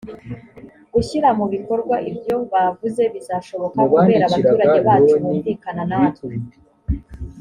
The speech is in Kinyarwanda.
gushyira mu bikorwa ibyo bavuze bizashoboka kubera abaturage bacu bunvikana natwe